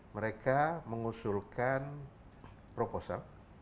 mereka mengusulkan proposal